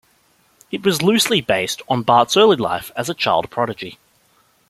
It was loosely based on Bart's early life as a child prodigy.